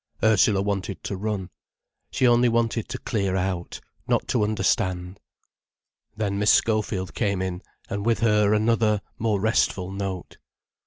Ursula wanted to run. She only wanted to clear out, not to understand. Then Miss Schofield came in, and with her another, more restful note.